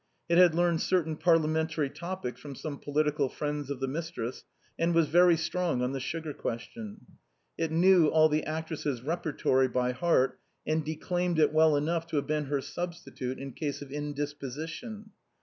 It had learned certain parliamentary topics from some political friends of its mistress, and was very strong on the sugar question. It knew all the actress's repertory by THE TOILETTE OF THE GRACES. 211 heart, and declaimed it well enough to have been her substi tute in case of indisposition.